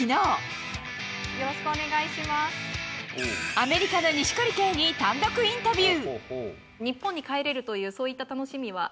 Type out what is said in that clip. アメリカの錦織圭に単独インタビュー。